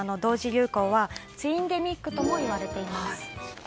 流行はツインデミックとも言われています。